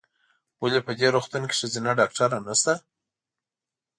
ولې په دي روغتون کې ښځېنه ډاکټره نسته ؟